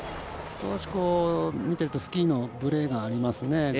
少し見ているとスキーのブレがありますね。